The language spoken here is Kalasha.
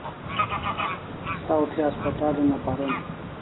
Saw thi haspatal una paron